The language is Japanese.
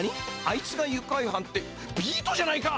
あいつがゆうかいはんってビートじゃないか！